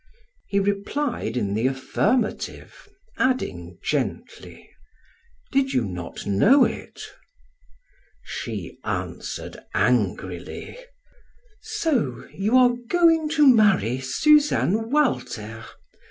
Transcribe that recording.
He replied in the affirmative, adding gently: "Did you not know it?" She answered angrily: "So you are going to marry Suzanne Walter?